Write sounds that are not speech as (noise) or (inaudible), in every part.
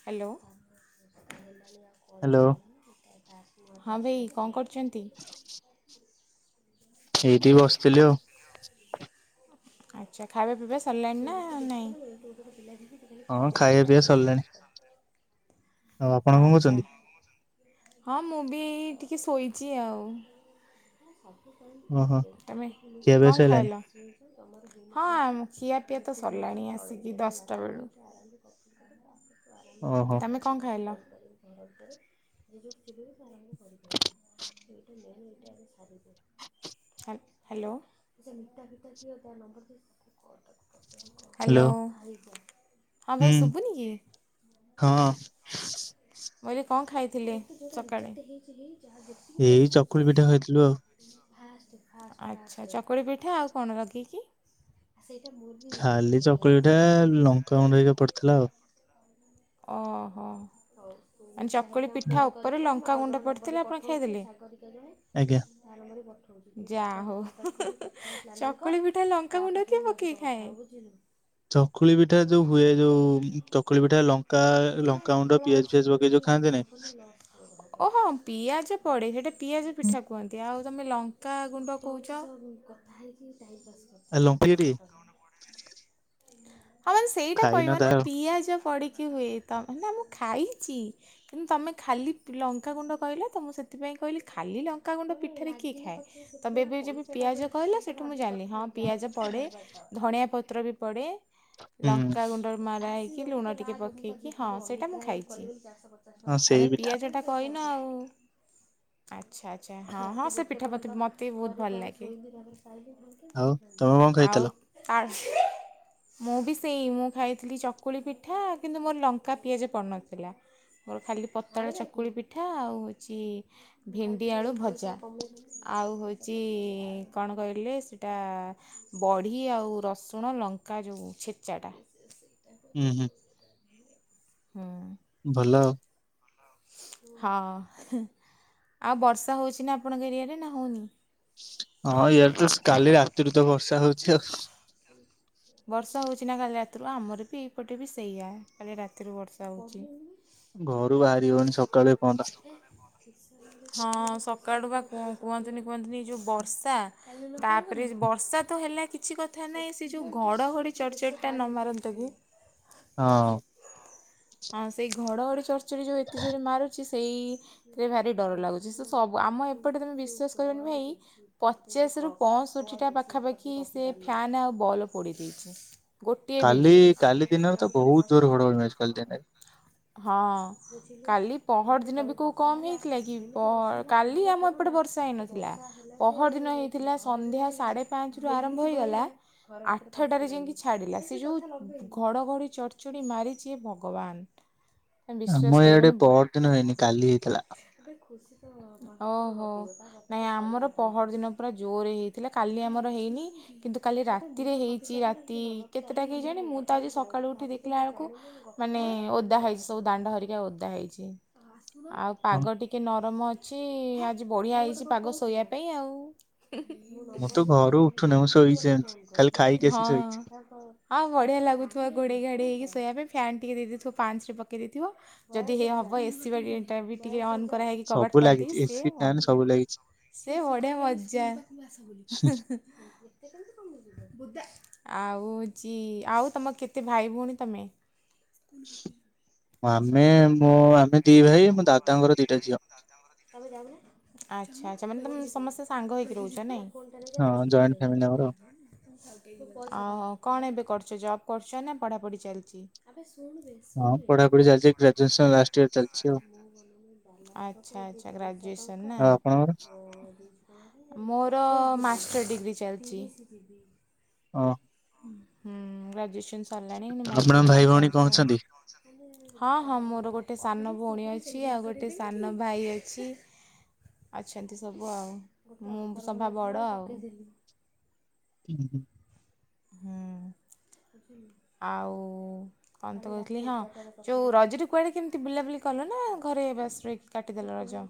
Hello. Hello (inaudible) ହଁ, ଭାଇ କଣ କରୁଛନ୍ତି? (inaudible) ଏଇଠି, ବସିଥିଲି ଆଉ। (inaudible) ଆଚ୍ଛା, ଖାଇବା ପିଇବା ସରିଲାଣି ନା ନାଇଁ? (inaudible) ହଁ, ଖାଇବା ପିଇବା ସରିଲାଣି। ଆଉ ଆପଣ କଣ ଆଚ୍ଛା, କରୁଛନ୍ତି? ହଁ, ମୁଁ ବି ଟିକେ ଶୋଇଛି ଆଉ। ଓହୋ (inaudible) ତମେ ଖିଆ ପିଆ କଣ ସଇଲାଣି ଖାଇଲ? ହଁ ଖିଆପିଆ ତ ସରିଲାଣି ଆସିକି ଦଶଟା ବେଳୁ। ଓହୋ ତମେ କଣ ଖାଇଲ? (unintelligible) ହାଲ୍, ହ୍ୟାଲୋ (unintelligible) ହ୍ୟାଲୋ, ହଁ ହୁଁ ଭାଇ ଶୁଭୁନି କି? ହଁ ମୁଁ କହିଲି କଣ ଖାଇଥିଲି ସକାଳେ? ଏଇ ଚକୁଳି ପିଠା ଖାଇଥିଲୁ ଆଉ। ଆଚ୍ଛା, ଚକୁଳି ପିଠା ଆଉ କଣ ଲଗେଇକି? ସେଇଟା ମୋର ବି ଏଜ୍ଜିଟ ହେଇଥିଲା ନା କଣ? ତମର ଏଇଯୋଉ ପଡ଼ିଥିଲା ଆଉ। ଓହୋ, ମାନେ ଚକୁଳି ପିଠା ଉପରେ ଲଙ୍କା ଗୁଣ୍ଡ ପଡି ଥିଲେ ଆପଣ ଖାଇଦେଲେ? ଆଜ୍ଞା। (unintelligible) ଯା ହଉ, ଚକୁଳି ପିଠାଲେ ଲଙ୍କାଗୁଣ୍ଡ କିଏ ପକେଇକି ଖାଏ। ଚକୁଳି ପିଠା ଯୋଉ ହୁଏ ଯୋଉ ଚକୁଳି ପିଠା ଲ ଙ୍କା ଲଙ୍କା ଗୁଣ୍ଡ ପିଆଜ ଫିଆଜ ପକେଇ ଯୋଉ ଖାଆନ୍ତିନେଇ (unintelligible) ଓ ହଁ ପିଆଜ ପଡ଼େ ସେଇଟା ପିଆଜ ପିଠା କୁହନ୍ତି ଆଉ ତମେ ଲଙ୍କାଗୁଣ୍ଡ କହୁଚ। ହଁ ମୁଁ କଥା ହେଇକି ଟାଇମ୍ ପାସ୍ କର ଆ ଲମ୍ପି ଏଇଠି। ହଁ ମାନେ ସେଇଟା ଖାଇନ କହିବ ତା ନା ପିଆଜ ପଡ଼ିକି ହୁଏ, ତମେ ନା ମୁଁ ଖାଇଛି। କିନ୍ତୁ ତମେ ଖାଲି ଲଙ୍କାଗୁଣ୍ଡ କହିଲ ତ ମୁଁ ସେଥିପାଇଁ କହିଲି ଖାଲି ଲଙ୍କାଗୁଣ୍ଡ ପିଠାରେ କିଏ ଖାଏ? ତବେ ଏବେ ଯେବେ ପିଆଜ କହିଲ ସେଠୁ ମୁଁ ଜାଣିଲି। ହଁ ପିଆଜ ପଡ଼େ, ଧଣିଆ ପତ୍ର ବି ପଡ଼େ। ହୁଁ ଲଙ୍କା ଗୁଣ୍ଡରୁ ମରା ହେଇକି ଲୁଣ ଟିକେ ପକେଇକି ହଁ ସେଇଟା ମୁଁ ଖାଇଛି। ହଁ (unintelligible) ସେଇ ତମେ ପିଠା ପିଆଜଟା କହିନ ଆଉ। ଆଚ୍ଛା ଆଚ୍ଛା, ହଁ ହଁ ସେ ପିଠାପତି ମତେ ବହୁତ ଭଲ ଲାଗେ। ଆଉ ତମେ କଣ ଖାଇଥିଲ? ଆଉ ଆଛି୍, ମୁଁ ବି ସେଇ ମୁଁ ଖାଇଥିଲି ଚକୁଳି ପିଠା କିନ୍ତୁ ମୋର ଲଙ୍କା ପିଆଜ ପଡୁନଥିଲା। ମୋର ଖାଲି ପତଳା ଚକୁଳି ପିଠା ଆଉ ହଉଛି ଭେଣ୍ଡି ଆଳୁ ଭଜା। ଆଉ ହଉଛି କଣ କହିଲେ ସେଟା ବଢ଼ି ଆଉ ରସୁଣ ଲଙ୍କା ଯୋଉ ଛେଚାଟା। ଉଁ, ହୁଁ। ହୁଁ ଭଲ। ହଁ, ଆଉ ବର୍ଷା ହଉଛି ନା ଆପଣଙ୍କ ଏରିଆରେ ନା ହଉନି? ହଁ ଇଆଡ଼ ତ କାଲି ରାତିରୁ ତ ବର୍ଷା ହଉଛି ଆଉ। ବର୍ଷା ହଉଛି ନା କାଲି ରାତିରୁ ଆମର ବି ଏଇପଟେ ବି ସେଇଆ, କାଲି ରାତିରୁ ବର୍ଷା ହଉଛି। ଘରୁ ବାହାରି ହଉନି ସକାଳୁ ଏପଅନ୍ତ। ହଁ ସକାଳୁ ବା କୁଉଁ କୁଅଁନ୍ତୁନି କୁଅଁନ୍ତୁନି ଏ ଯୋଉ ବର୍ଷା ତାପରେ ବର୍ଷା ତ ହେଲା କିଛି କଥା ନାହିଁ ସେ ଯୋଉ ଘଡ଼ଘଡ଼ି ଚଡ଼ଚଡ଼ିଟା ନ ମାରନ୍ତା କି। (inaudible) ହଁ। ହଁ ସେଇ ଘଡ଼ଘଡ଼ି ଚରଚରି ଯୋଉ ଏତେ ଜୋରେ ମାରୁ ଚି ସେଇଥିରେ ଭାରି ଡର ଲାଗୁଛି ସେ ସବୁ ଆମ ଏପଟେ ତୁମେ ବିଶ୍ୱାସ କରିବନି ଭାଇ ପଚାଶରୁ ପଞ୍ଚଷଠିଟା ପାଖାପାଖି ସେ ଫ୍ୟାନ୍ ଆଉ ବଲ୍ ପୋଡ଼ି ଦେଇଛି। ଗୋଟିଏ କାଲି ବିଜୁଳି। କାଲି ଦିନରେ ତ ବହୁତ ଜୋର ଘଡଘଡି ମାରିଚି କାଲି ଦିନରେ। ହଁ କାଲି ପହର ଦିନ ବି କୋଉ କମ୍ ହେଇଥିଲା କି ପହ କାଲି ଆମ ଏପଟେ ବର୍ଷା ହେଇନଥିଲା। ପହର ଦିନ ହେଇଥିଲା ସନ୍ଧ୍ୟା ସାଢେ ପାଞ୍ଚରୁ ଆରମ୍ଭ ହୋଇଗଲା। ଆଠଟାରେ ଯାଇକି ଛାଡିଲା ସେ ଯୋଉ ଘଡ଼ଘଡ଼ି ଚଡ଼ଚଡି଼ ମାରିଛି ହେ ଭଗବାନ। ତମେ ବିଶ୍ୱାସ ଆମ ଇଆଡେ କରିବନି ପହର ଦିନ ହେଇନି କାଲି ହେଇଥିଲା। ଓହୋ। ନାଇଁ ଆମର ପହର ଦିନ ପୁରା ଜୋରେ ହେଇଥିଲା କାଲି ଆମର ହେଇନି। କିନ୍ତୁ କାଲି ରାତିରେ ହେଇଛି ରାତି କେତେଟା କେଜାଣି ମୁଁ ତ ଆଜି ସକାଳୁ ଉଠି ଦେଖିଲା ଏଳକୁ ମାନେ ଓଦା ହେଇଛି ସବୁ ଦାଣ୍ଡ ହରିକି ଓଦା ହେଇଛି। ଆଉ ହଁ ପାଗ ଟିକେ ନରମ ଅଛି ଆଜି ବଢିଆ ହେଇଛି ପାଗ ଶୋଇବା ପାଇଁ ଆଉ। ମୁଁ ତ ଘରୁ ଉଠୁନି ମୁଁ ଶୋଇଚି ସେମିତି ଖାଲି ଖାଇକି ଆସି ଶୋଇଚି। ହଁ। ଆ ବଢ଼ିଆ ଲାଗୁଥୁବ ଘୋଡ଼େଇ ଘାଡ଼େଇ ହେଇକି ଶୋଇବା ପାଇଁ ଫ୍ୟାନ୍ ଟିକେ ଦେଇ ଦେଇଥୁବ ପାଞ୍ଚରେ ପକେଇ ଦେଇଥିବ। ଯଦି ହେ ହବ ଏସିି ବାଡିଟା ବି ଟିକେ ଅନ୍ କରାହେଇକି କବାଟ ସବୁ ଫବାଟ ଲାଗିଚି ଦେଇକି ସିଏ ଏସିି ଫ୍ୟାନ ମଜା। ସବୁ ଲାଗିଚି। ସେ ବଢିଆ ମଜା। ବୁନ୍ଧା। ଆଉ ହଉଚି ଆଉ ତମ କେତେ ଭାଇ ଭଉଣୀ ତମେ? ଆମେ ମୋ ଆମେ ଦି ଭାଇ ମୋ ଦାଦାଙ୍କର ଦିଟା ଝିଅ। ଆଚ୍ଛା ଆଚ୍ଛା ମାନେ ତମେ ସମସ୍ତେ ସାଙ୍ଗ ହେଇକି ରହୁଚ ନାଇଁ। ଫୋ ଟା ନେଇଜେ ହଁ ପାଚନ ଜଏଣ୍ଟ ଫ୍ୟାମିଲି ଆମର। ଆଉ ଆଉ କଣ ଏବେ କରୁଚ ଜବ୍ କରୁଚ ନା ପଢ଼ାପଢ଼ି ଚାଲିଚି? ହଁ ପଢ଼ାପଢ଼ି ଚାଲିଚି ଗ୍ରାଜୁଏସନ ଲାଷ୍ଟ। ଇୟର ଚାଲିଚି ଆଉ। ଆଚ୍ଛା ଆଚ୍ଛା ଗ୍ରାଜୁଏସନ୍ ନା। ଆଉ ଆପଣଙ୍କର? ମୋର ମାଷ୍ଟର୍ ଡିଗ୍ରୀ ଚାଲିଚି। ହଁ। ହୁଁ ଗ୍ରାଜୁଏସନ୍ ସରିଲାଣି ଏଇନା ମାଷ୍ଟର ଆପଣଙ୍କ ଭାଇ ଡିଗ୍ରୀ ଭଉଣୀ କଣ ଚାଲିଚି ଅଛନ୍ତି? ଆଉ। ହଁ ହଁ ମୋର ଗୋଟେ ସାନ ଭଉଣୀ ଅଛି ଆଉ ଗୋଟେ ସାନ ଭାଇ ଅଛି। ଅଛନ୍ତି ସବୁ ଆଉ ମୁଁ ସଭା ବଡ଼ ଆଉ। ହୁଁ ହୁଁ। ହୁଁ ଆଉ କଣ ତ କହୁଥିଲି ହଁ। ଯୋଉ ରଜରେ କୁଆଡେ କେମିତି ବୁଲା ବୁଲି କଲ ନା ଘରେ ବାସ୍ ରହିକି କାଟିଦେଲ ରଜ।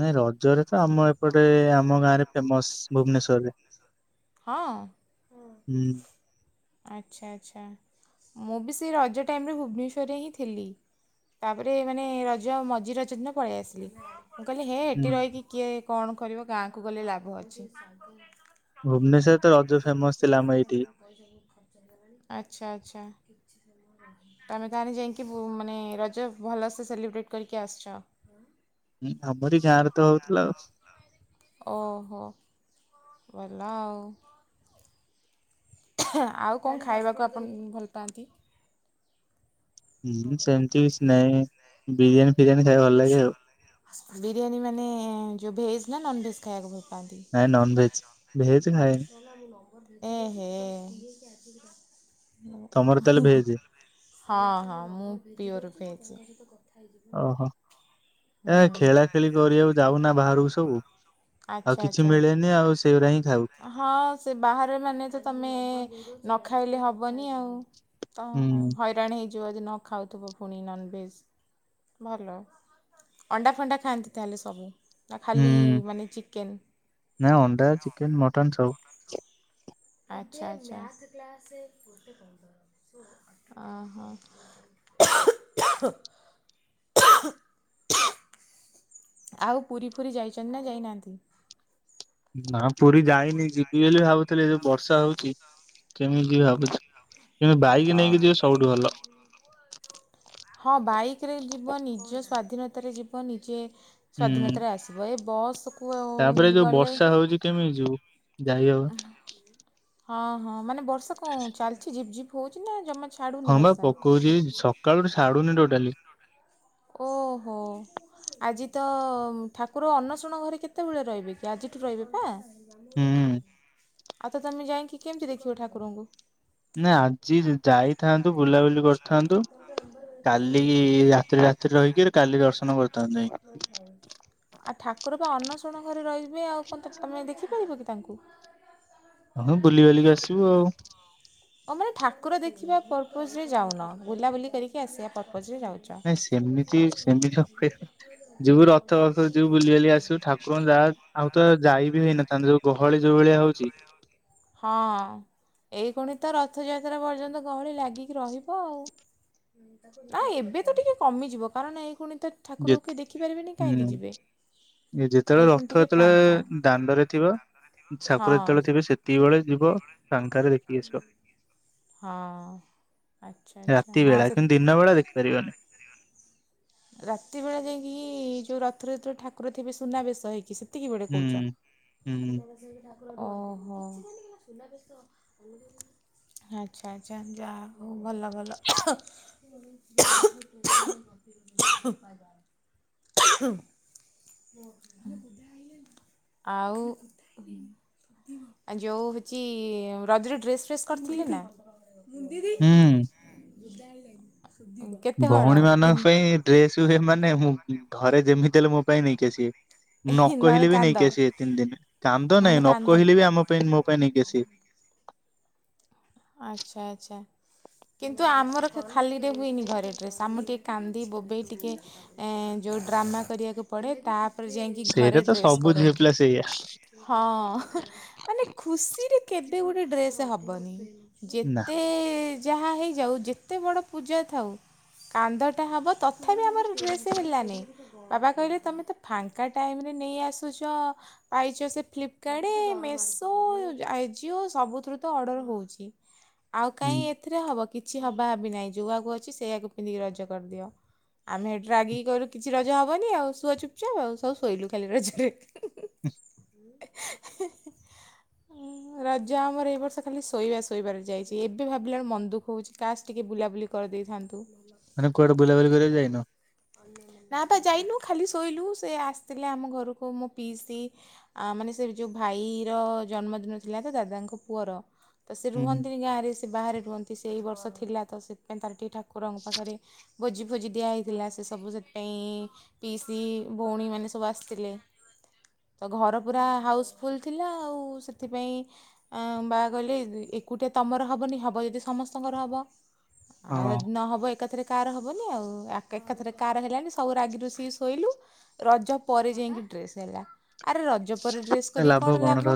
ନାଇଁ ରଜରେ ତ ଆମ ଏପଟେ ଆମ ଗାଁରେ ଫେମସ ଭୁବନେଶ୍ଵରରେ। ହଁ ହୁଁ ଆଚ୍ଛା ଆଚ୍ଛା। ମୁଁ ବି ସେଇ ରଜ ଟାଇମରେ ଭୁବନେଶ୍ୱରରେ ହିଁ ଥିଲି। ତାପରେ ମାନେ ରଜ ମଝି ରଜ ଦିନ ପଳେଇ ଆସିଲି। ମୁଁ କହିଲି ହେ ହେଠି ହୁଁ। ରହିକି କିଏ କଣ କରିବ ଗାଁକୁ ଗଲେ ଲାଭ ଅଛି। ଭୁବନେଶ୍ୱରରେ ତ ରଜ ଫେମସ ଥିଲା ଆମ ଏଇଠି। ଆଚ୍ଛା ଆଚ୍ଛା। ତମେ ଗାଁରେ ଯାଇକି ମାନେ ରଜ ଭଲସେ ସେଲିବ୍ରେଟ କରିକି ଆସିଛ। ହୁଁ ଆମରି ଗାଁରେ ତ ହଉଥିଲା ଆଉ ଓହୋ ଭଲ ଆଉ ଆଉ କଣ ଖାଇବାକୁ ଆପଣ ଭଲ ପାଆନ୍ତି? ହୁଁ ସେମିତି କିଛି ନହିଁ ବିରିୟାନୀ ଫିରିୟାନୀ ଖାଇବା ଭଲ ଲାଗେ ଆଉ। ବିରିୟାନୀ ମାନେ ଯୋଉ ଭେଜ ନା ନନ ଭେଜ ଖାଇବାକୁ ଭଲ ପାଆନ୍ତି? ନାଇଁ ନନ ଭେଜ ଭେଜ ଖାଏ ଏହେ ତମର ତାହେଲେ ଭେଜ ହଁ ହଁ ମୁଁ ପିଓର ଭେଜ୍ ଓହୋ ଏ ହୁଁ ଖେଳା ଖେଳି କରିବାକୁ ଯାଉନା ବାହାରକୁ ସବୁ ଆଚ୍ଛା ଆଉ କିଛି ଆଚ୍ଛା ମିଳେନି ଆଉ ସେଗୁାରି ହିଁ ଖାଉ। ହଁ ସେ ବାହାରେ ମାନେ ତ ତମେ ନ ଖାଇଲେ ହବନି ଆଉ ତ ହୁଁ ହଇରାଣ ହେଇଯିବ ଯଦି ନ ଖାଉଥିବ ପୁଣି ନନଭେଜ୍ ଭଲ ଅଣ୍ଡା ଫଣ୍ଡା ଖାଆନ୍ତି ତାହେଲେ ସବୁ ନା ଖାଲି ମାନେ ଚିକେନ୍ ନାଁ ଅଣ୍ଡା ଚିକେନ ମଟନ ସବୁ ଆଛା ଆଛା। ଓ ହୋ। ଆଉ ପୁରୀ ଫୁରି ଯାଇଛନ୍ତି ନା ଯାଇନାହାନ୍ତି? ନା ପୁରୀ ଯାଇନି ଯିବି ବୋଲି ଭାବୁଥିଲି ଯଉ ବର୍ଷା ହଉଛି। କେମିତି ଯିବି ଭାବୁଛି କିମତି ବାଇକି ଅ ନେଇକି ଯିବେ ସବୁଠୁ ଭଲ। ହଁ ବାଇକ୍ରରେ ଯିବ ନିଜ ସ୍ଵାଧୀନତାରେ ଯିବ ନିଜେ ହୁଁ। ସ୍ଵାଧୀନତାରେ ଆସିବ ଏ ବସ୍ ତାପରେ ଯୋଉ ବର୍ଷା ହଉଛି କେମିତି ଯିବୁ ଯାଇହବନି। ହଁ ହଁ ମାନେ ବର୍ଷା କଣ ଚାଲିଛିି ଝିପ ଝିପ୍ ହଉଛି ନା ଜମା ଛାଡ଼ୁନି ହଁ ବା ବର୍ଷା? ପକଉଛି ସକାଳୁଠୁ ଛାଡୁନି ଟୋଟାଲି। ଓହୋ। ଆଜି ତ ଠାକୁର ଅନ୍ନ ଶୁଣ ଘରେ କେତେବେଳେ ରହିବେ କି ଆଜିଠୁ ରହିବେ ପା ହୁଁ। ଆଉ ତମେ ଯାଇକି କେମିତି ଦେଖିବ ଠାକୁରଙ୍କୁ ନା ଆଜି ଯାଇଥାନ୍ତୁ ବୁଲାବୁଲି କରିଥାନ୍ତୁ କାଲି ରାତି ରାତିରେ ରହିକି କାଲି ଦର୍ଶନ କରିଥାନ୍ତୁ ଯାଇ ଆଉ ଠାକୁର ବା ଅନ୍ନ ଶୁଣ ଘରେ ରହିବେ ଆଉ କ ତୁମେ ଦେଖିପାରିବ କି ତାଙ୍କୁ? ହଁଁ ବୁଲି ବାଲିକି ଆସିବୁ ଆଉ ଓ ମାନେ ଠାକୁର ଦେଖିବା ପର୍ପୋଜ ରେ ଯାଉନ ବୁଲାବୁଲି କରିକି ଆସିବା ପର୍ପୋଜ ରେ ଯାଉଛି। ନାଇଁ ସେମିତି ସେମିତି ଯୋଉୁ ରଥ ଫଥ ଯୋଉ ବୁଲିିବାଲି ଆସିବୁ ଠାକୁରଙ୍କୁ ଯାହା ଆଉ ତ ଯାଇ ବି ହେଇନଥାନ୍ତେ ଯୋଉ ଗହଳି ଯୋଉ ଭଳିଆ ହଉଛି ହଁ‌ ପୁଣି ତ ରଥଯାତ୍ରା ପର୍ଯ୍ୟନ୍ତ ଗହଳି ଲାଗିକି ରହିବ ଆଉ। ନା ଏବେ ତ ଟିକେ କମିଯିବ କାରଣ ଏଇ ଗୁଣ ତ ଯେ ଠାକୁର କିଏ ଦେଖିପାରିବେନି କାହିଁକି ହୁଁ ଯିବେ। ଯେତେବେଳେ ଏଇଖୁଣି ରଥ ଟିକେ ଫାଙ୍କା ଯେତେବେଳେ ଦାଣ୍ଡରେ ଥିବ ଠାକୁର ହଁ ଯେତେବେଳେ ଥିବେ ସେ ଦ ସେତେବେଳେ ଯିବ ଫାଙ୍କାରେ ଦେଖିକି ଆସିବ। ହଁ ଆଚ୍ଛା ଆଚ୍ଛା ରାତି ହଁ ବେଳା କିନ୍ତୁ ସତ ଦିନ ବେଳା ଦେଖିପାରିବନି ରାତି ବେଳେ ଯାଇକି ଯୋଉ ରଥରେତ ଠାକୁର ଥିବେ ସୁନାବେେଶ ହେଇକି ସେତିକି ବେଳେ କହୁଛ? ହୁଁ ହୁଁ ଓହୋ। ଆଚ୍ଛା ଆଚ୍ଛା ଯାହା ହଉ ଭଲ ଭଲ। ହୁ (unintelligible) (inaudible) ଆଉ ଆ ଯୋଉ ହଉଛି ରଜରେ ଡ୍ରେସ୍ ଫ୍ରେସ୍ କରିଥିଲେ ନା? ମୁନ ଦିଦି ହୁଁ ଭଉଣୀ ମାନଙ୍କ ପାଇଁ ଡ୍ରେସ ହୁଏ ମାନେ ମୁଁ ଘରେ ଯେମିତି ହେଲେ ମୋ ପାଇଁ ନେଇକି ଆସିବେ। ନ ନହେଲେ କହିଲି ବି କାନ୍ଦ ନେଇକି ଆସିବେ ତିନି ଦିନ କାନ୍ଦ ନାଇଁ ନହେଲେ ନ କାନ୍ଦ କହିଲେ ବି ଆମ ପାଇଁ ମୋ ପାଇଁ ନେଇକି ଆସିବେ। ଆଚ୍ଛା ଆଚ୍ଛା। କିନ୍ତୁ ଆମର ଖାଲିରେ ହୁଏନି ଘରେ ଡ୍ରେସ୍ ଆମର ଟିକେ କାନ୍ଦି ବୋବେଇ ଟିକେ ଏ ଯୋଉ ଡ୍ରାମା କରିବାକୁ ପଡ଼େ ତାପରେ ଯାଇକି ସେଇଟା ଘରେ ତ ଡ୍ରେସ୍ ସବୁ ଝିଅ କରନ୍ତି। ପିଲା ସେଇଆ ହଁ ମାନେ ଖୁସିରେ କେବେ ଗୋଟେ ଡ୍ରେସ୍ ହବନି ନା ଯେତେ ଯାହା ହେଇଯାଉ ଯେତେ ବଡ଼ ପୂଜା ଥାଉ କାନ୍ଦଟା ହେବ ତ ତଥାପି ଆମର ଡ୍ରେସ୍ ହେଲାନି ବାବା କହିଲେ ତୁମେ ତ ଫାଙ୍କା ଟାଇମରେ ନେଇ ଆସୁଛ ପାଇଛ ସେ ଫ୍ଲିପକାର୍ଟ ମେସୋ ଆଜିଓ ସବୁଥିରୁ ତ ଅର୍ଡ଼ର ହୋଉଛି ଆଉ ହୁଁ କାହିଁ ଏଥିରେ ହବ କିଛି ହବା ବି ନାହିଁ ଯୋଉ ଆକୁ ଅଛି ସେଇଆକୁ ପିନ୍ଧିକି ରଜ କରିଦିଅ। ଆମେ ସେଇଠୁ ରାଗିକି କହିଲୁ କିଛି ରଜ ହବନି ଆଉ ଶୁଅ ଚୁପଚାପ ଆଉ ସବୁ ଶୋଇଲୁ ଖାଲି ରଜରେ ହ। ରଜା ଆମର ଏଇ ବର୍ଷ ଖାଲି ଶୋଇବା ସୋ ଶୋଇବାରେ ଯାଇଛି ଏବେ ଭାବିଲା ବେଳେ ମନ ଦୁଃଖ ହେଉଛି କାସ୍ ଟିକେ ବୁଲାବୁଲି କରିଦେଇଥାନ୍ତୁ ମାନେ କୁଆଡେ ବୁଲାବୁଲି କରିବାକୁ ଯାଇନ? ନା ପା ଯାଇନୁ ଖାଲି ଶୋଇଲୁ ସେ ଆସିଥିଲେ ଆମ ଘରକୁ ମୋ ପିଇସି ଆ ମାନେ ସେ ଯୋଉ ଭାଇର ଜନ୍ମଦିନ ଥିଲା ତ ଦାଦାଙ୍କ ପୁଅର ତ ସେ ହୁଁ ରୁହନ୍ତିନି ଗାଁରେ ସେ ବାହାରେ ରୁହନ୍ତି ସେ ଏଇ ବର୍ଷ ଥିଲା ତ ସେଥିପାଇଁ ତାର ଟିକେ ଠାକୁରଙ୍କ ପାଖରେ ଭୋଜି ଫୋଜି ଦିଆ ହେଇଥିଲା ସେ ସବୁ ସେଥିପାଇଁ ପିଇସି ଭଉଣୀ ମାନେ ସବୁ ଆସିଥିଲେ ତ ଘର ପୁରା ହାଉସଫୁଲ୍ ଥିଲା ଆଉ ସେଥିପାଇଁ ବାବା କହିଲେ ଏକୁଟିଆ ତମର ହବନି ହବ ଯଦି ସମସ୍ତଙ୍କର ହବ ଆଉ ହଁ ଯଦି ନହବ ଏକାଥରେ କାହାର ହବନି ଆଉ ଏକଥରେ କେ କାହାର ହେଲାନି ସବୁ ରାଗି ରୁଷିକି ଶୋଇଲୁ ରଜ ପରେ ଯାଇକି ଡ୍ରେସ ହେଲା ଆରେ ରଜ ପରେ ଡ୍ରେସ୍ କରକି କଣ ଲାଭ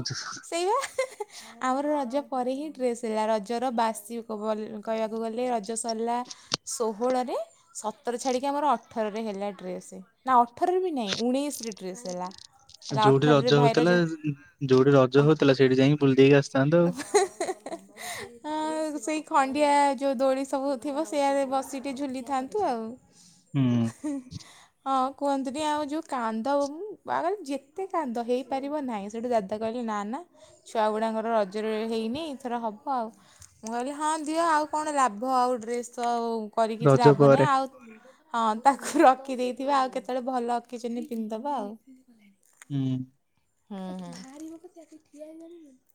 ସେଇବା ଆମର ରଜ ପରେ ହିଁ ଡ୍ରେସ୍ ହେଲା ରଜର ବାସି କହିବାକୁ ଗଲେ ରଜ ସରିଲା ଷୋହଳରେ ସତର ଛାଡ଼ିକି ଆମର ଅଠ ଅଠରରେ ହେଲା ଡ୍ରେସ୍ ନା ଅଠରରେ ବି ନାହିଁ ଉଣେଇଶରେ ଡ୍ରେସ୍ ହେଲା ହେଲା ଯୋଉଠି ଅଠରରେ ରଜ ଭାଇର ହଉଥିଲା ଜ ଯୋଉଠି ରଜ ହଉଥିଲା ସେଇଠି ଯାଇକି ବୁଲି ଦେଇେକି ଆସିଥାଆନ୍ତ ଆଉ ହ ସେଇ ଖଣ୍ଡିଆ ଯୋଉ ଦୋଳି ସବୁ ଥିବ ସେଇଆାରେ ବସିିକି ଟିକେ ଝୁଲିଥାନ୍ତୁ ଆଉ ହୁଁ (inaudible) ହଁ କୁହନ୍ତୁନି ଆଉ ଯୋଉ କାନ୍ଦ ଆଗରେ ଯେତେ କାନ୍ଦ ହେଇପାରିବ ନାହିଁ ସେଇଠୁ ଦାଦ ତ କହିଲେ ନା ନା ଛୁଆ ଗୁଡ଼ାଙ୍କର ରଜରେ ହେଇନି ଏଇଥର ହବ ଆଉ ମୁଁ କହିଲି ହଁ ଦିଅ ଆଉ କଣ ଲାଭ ଆଉ ଡ୍ରେସ୍ ତ କରିକି କିଛି ରଜ ଲାଭ ପରେ ନାହିଁ ଆଉ ହଁ ତାକୁ ରଖିଦେଇଥିବା ଆଉ କେତେବେଳେ ଭଲ ଅକେଜନ ରେ ପିନ୍ଧିଦବା ଆଉ ହୁଁ। ହୁ ହୁ।